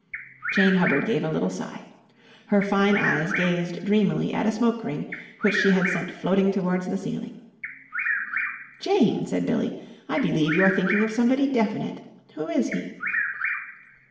Jane Hubbard gave a little sigh. Her fine eyes gazed dreamily at a smoke ring which she had sent floating towards the ceiling. "Jane," said Billie. "I believe you're thinking of somebody definite. Who is he?"